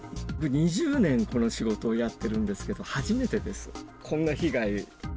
２０年この仕事をやってるんですけど、初めてです、こんな被害。